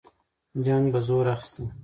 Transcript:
جنګ به زور اخیسته.